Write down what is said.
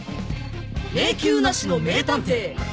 迷宮なしの名探偵。